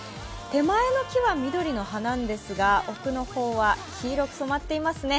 手前の木は緑の葉なんですが、奥の方は黄色く染まっていますね。